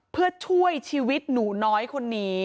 เพื่อช่วยชีวิตหนูน้อยคนนี้